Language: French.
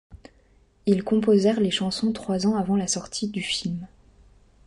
Ils composèrent les chansons trois ans avant la sortie du film.